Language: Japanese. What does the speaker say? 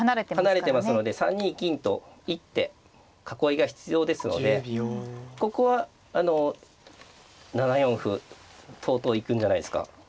離れてますので３二金と一手囲いが必要ですのでここは７四歩とうとう行くんじゃないですか。